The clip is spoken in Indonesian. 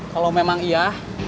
kalau memang iya